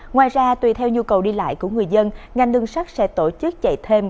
ngoài ra tùy theo nhu cầu đi lại của người dân ngành đường sắt sẽ tổ chức chạy thêm